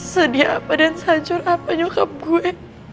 sedih apa dan sancur apa nyokap gue